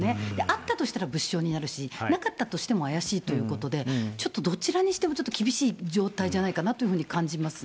あったとしたら物証になるし、なかったとしても怪しいということで、ちょっとどちらにしてもちょっと厳しい状態じゃないかなというふうに感じます。